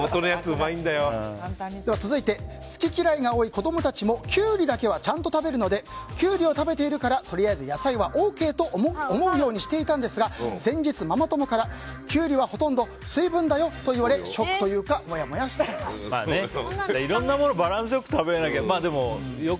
続いて好き嫌いが多い子供たちもキュウリだけはちゃんと食べるのでキュウリを食べているからとりあえず野菜はＯＫと思うようにしていたんですが先日、ママ友からキュウリはほとんど水分だよと言われショックというかモヤモヤしています、と。